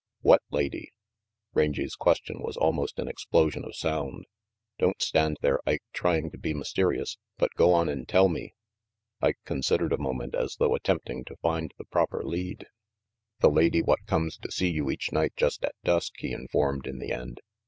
, "What lady?" Rangy 's question was almost an explosion of sound. "Don't stand there, Ike, trying to be mysterious, but go on and tell me." Ike considered a moment, as though attempting tqjind the proper lead. RANGY PETE 403 "The lady what comes to see you each night just at dusk/' he informed in the end.